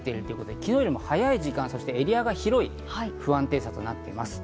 昨日より早い時間、エリアが広い不安定さとなっています。